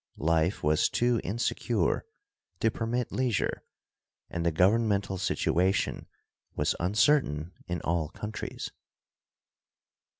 Life was too insecure to permit leisure, and the governmental situation was uncertain in all countries.